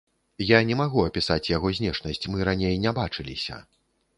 Я не магу апісаць яго знешнасць, мы раней не бачыліся.